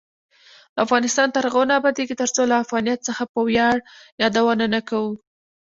افغانستان تر هغو نه ابادیږي، ترڅو له افغانیت څخه په ویاړ یادونه نه کوو.